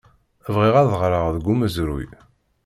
Bɣiɣ ad ɣreɣ deg umezruy.